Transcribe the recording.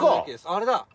あれだ！